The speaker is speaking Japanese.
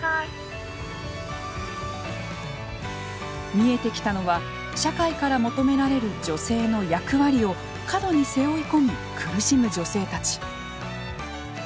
見えてきたのは社会から求められる女性の役割を過度に背負い込み苦しむ女性たち。